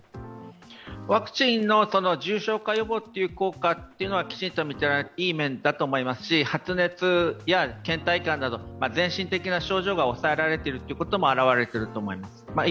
ワクチンの重症化予防の効果というのはいい面だと思いますし発熱やけん怠感など、漸進的な症状が抑えられているということも表れていると思いますう。